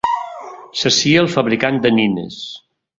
Sacia el fabricant de nines.